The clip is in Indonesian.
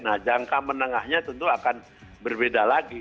nah jangka menengahnya tentu akan berbeda lagi